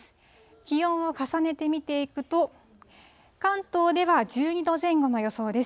気温を重ねて見ていくと、関東では１２度前後の予想です。